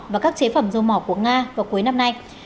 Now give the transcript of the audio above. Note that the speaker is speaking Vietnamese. và các chế phẩm dầu mỏ của nga vào cuối năm nay